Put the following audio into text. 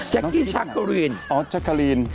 แจ๊กกี้ชักกะรีนอ๋อชักกะรีน